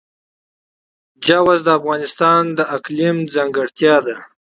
چار مغز د افغانستان د اقلیم ځانګړتیا ده.